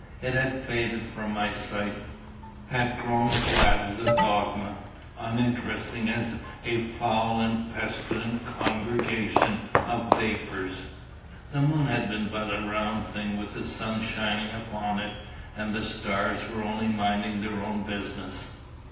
It had faded from my sight, had grown flat as a dogma, uninteresting as "a foul and pestilent congregation of vapours;" the moon had been but a round thing with the sun shining upon it, and the stars were only minding their own business.